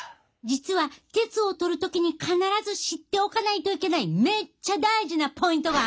実は鉄をとる時に必ず知っておかないといけないめっちゃ大事なポイントがあんねん！